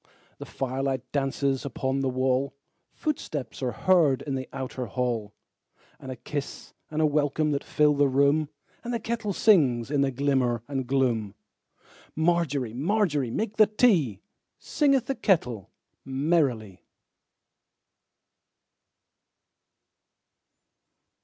The firelight dances upon the wall, Footsteps are heard in the outer hall, And a kiss and a welcome that fill the room, And the kettle sings in the glimmer and gloom. Margery, Margery, make the tea, Singeth the kettle merrily.